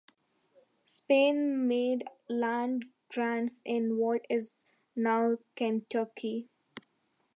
Spain made land grants in what is now Kentucky.